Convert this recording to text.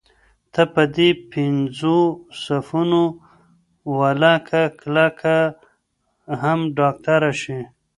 ته په دې پينځو صنفونو ولاکه کله هم ډاکټره شې.